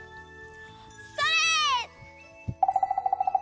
それ！